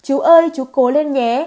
chú ơi chú cố lên nhé